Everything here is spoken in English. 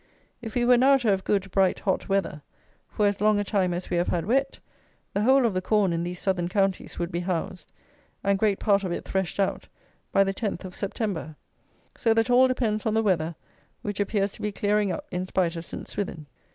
If we were now to have good, bright, hot weather, for as long a time as we have had wet, the whole of the corn in these Southern counties would be housed, and great part of it threshed out, by the 10th of September. So that all depends on the weather, which appears to be clearing up in spite of Saint Swithin.